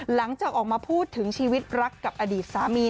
หลังจากออกมาพูดถึงชีวิตรักกับอดีตสามี